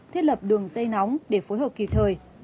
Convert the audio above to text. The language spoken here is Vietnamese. thiết lập đường dây nóng để phối hợp kịp thời